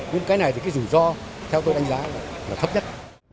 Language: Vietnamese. nhưng cái này thì cái rủi ro theo tôi đánh giá là thấp nhất